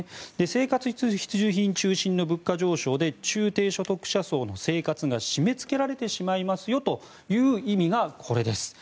生活必需品中心の物価上昇で中低所得者層の生活が締めつけられてしまいますよという意味がこれです。